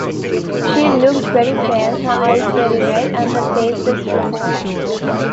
She looked very pale, her eyes very red and her face was "frozen".